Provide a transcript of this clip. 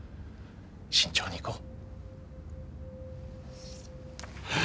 慎重にいこう。